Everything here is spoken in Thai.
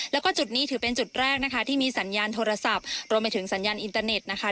แล้วก็จุดนี้ถือเป็นจุดแรกนะคะที่มีสัญญาณโทรศัพท์รวมไปถึงสัญญาณอินเตอร์เน็ตนะคะ